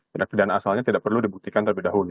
tindak pidana asalnya tidak perlu dibuktikan terlebih dahulu